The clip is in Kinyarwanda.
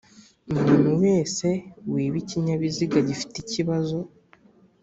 Umuntu wese wiba ikinyabiziga gifite ikibazo